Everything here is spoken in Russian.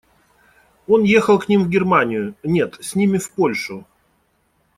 Он ехал к ним в Германию, нет, с ними в Польшу.